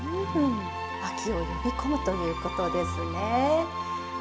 秋を呼び込むということですね。